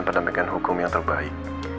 pendampingan hukum yang terbaik